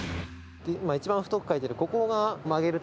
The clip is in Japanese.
今一番太く描いてる